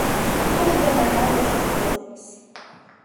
Both of them are now Listed Buildings.